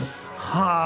はあ。